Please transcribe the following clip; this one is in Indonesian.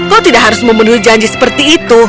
kau tidak harus memenuhi janji seperti itu